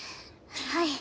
はい。